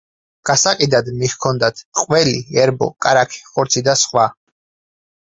გასაყიდად მიჰქონდათ ყველი, ერბო, კარაქი, ხორცი და სხვა.